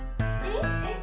えっ？